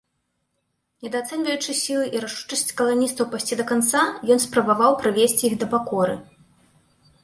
Недаацэньваючы сілы і рашучасць каланістаў пайсці да канца, ён спрабаваў прывесці іх да пакоры.